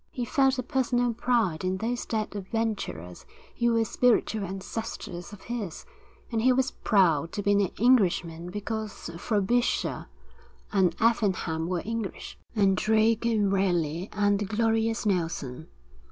He felt a personal pride in those dead adventurers who were spiritual ancestors of his, and he was proud to be an Englishman because Frobisher and Effingham were English, and Drake and Raleigh and the glorious Nelson.